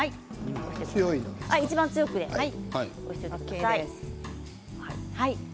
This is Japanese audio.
いちばん強くていいです。